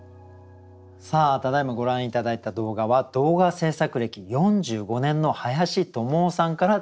ただいまご覧頂いた動画は動画制作歴４５年の林智雄さんからご提供頂きました。